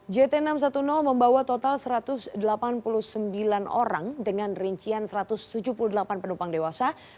jt enam ratus sepuluh membawa total satu ratus delapan puluh sembilan orang dengan rincian satu ratus tujuh puluh delapan penumpang dewasa